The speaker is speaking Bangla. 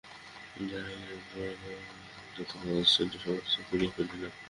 জাহিরগ্রাম এবং আহিরগ্রামের যত কাগজ ছিল সমস্ত পুড়াইয়া ফেলিলাম।